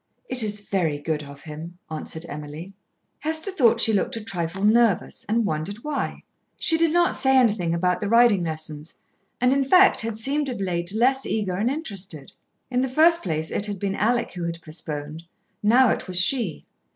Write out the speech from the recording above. "It is very good of him," answered Emily. Hester thought she looked a trifle nervous, and wondered why. She did not say anything about the riding lessons, and in fact had seemed of late less eager and interested. In the first place, it had been Alec who had postponed, now it was she.